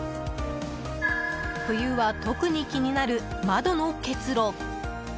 冬は特に気になる窓の結露。